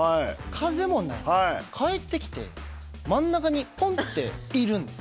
風もない帰ってきて真ん中にポンっているんです